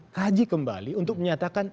kaji kembali untuk menyatakan